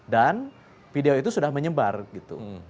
dan video itu sudah menyebar gitu